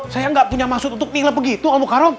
saya nggak punya maksud untuk nila begitu al mukarram